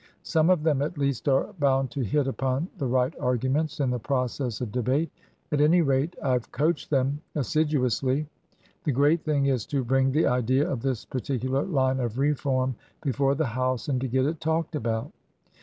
Some of them, at least, are bound to hit upon the right arguments in the process of debate ; at any rate, IVe coached them assiduously. The great thing is to bring the idea of this particular line of reform before the House, and to get it talked about."